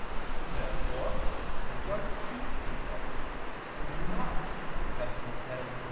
Therefore these are two precepts, and do not, as Augustine says (Qq.